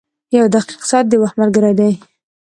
• یو دقیق ساعت د وخت ملګری دی.